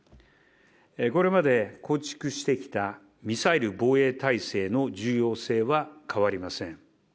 これまで構築してきたミサイル防衛体制の重要性は変わりません。